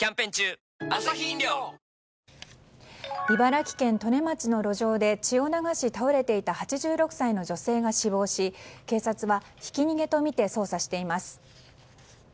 茨城県利根町の路上で血を流し倒れていた８６歳の女性が死亡し警察は、ひき逃げとみて捜査しています。